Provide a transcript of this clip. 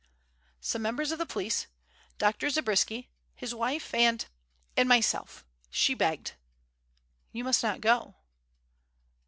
"Some members of the police, Dr. Zabriskie, his wife, and and myself. She begged " "You must not go."